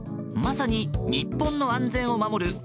まさに日本の安全を守る